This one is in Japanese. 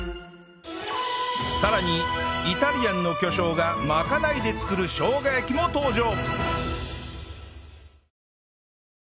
さらにイタリアンの巨匠がまかないで作るしょうが焼きも登場！